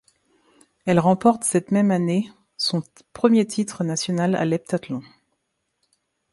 Elle remporte cette même année son premier titre national à l'heptathlon.